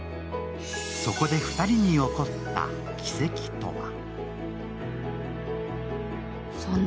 そこで２人に起こった奇跡とは？